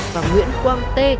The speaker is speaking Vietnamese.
và nguyễn quang t